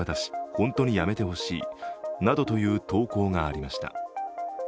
本当にやめてほしいなどという投稿がありました。